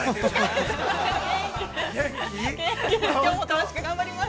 きょうも楽しく頑張ります。